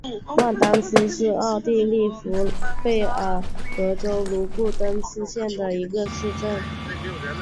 万丹斯是奥地利福拉尔贝格州布卢登茨县的一个市镇。